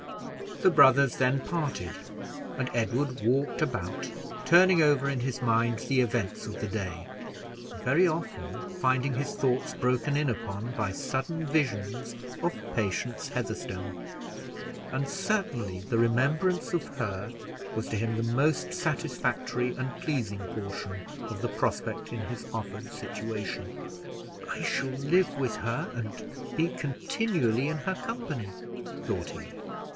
The brothers then parted, and Edward then walked about, turning over in his mind the events of the day, and very often finding his thoughts broken in upon by sudden visions of Patience Heatherstone and certainly the remembrance of her was to him the most satisfactory and pleasing portion of the prospect in his offered situation. "I shall live with her, and be continually in her company," thought he.